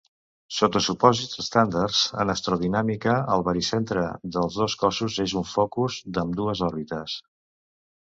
Sota supòsits estàndards en astrodinàmica el baricentre dels dos cossos és un focus d'ambdues òrbites.